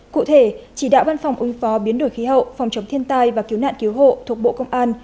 cụ thể chỉ đạo văn phòng ứng phó biến đổi khí hậu phòng chống thiên tai và cứu nạn cứu hộ thuộc bộ công an